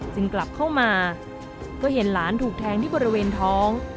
กลับเข้ามาก็เห็นหลานถูกแทงที่บริเวณท้อง